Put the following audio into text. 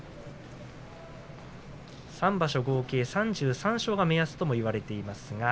３場所合計３３勝が目安とも言われています。